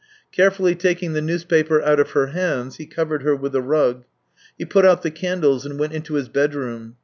Carefully taking the newspaper out of her hands, he covered her with a rug. He put out the candles and went into his bedroom.